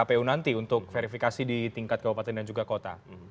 kpu nanti untuk verifikasi di tingkat kabupaten dan juga kota